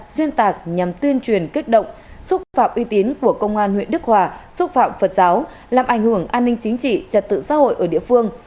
xuyên tạc nhằm tuyên truyền kích động xúc phạm uy tín của công an huyện đức hòa xúc phạm phật giáo làm ảnh hưởng an ninh chính trị trật tự xã hội ở địa phương